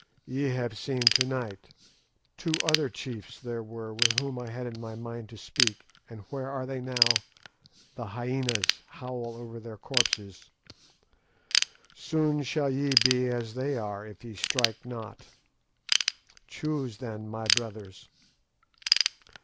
Ye have seen to night. Two other chiefs there were with whom I had it in my mind to speak, and where are they now? The hyænas howl over their corpses. Soon shall ye be as they are if ye strike not. Choose then, my brothers."